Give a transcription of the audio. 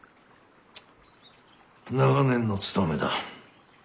長年のつとめだ。